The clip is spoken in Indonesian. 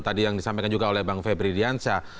tadi yang disampaikan juga oleh bang febri diansyah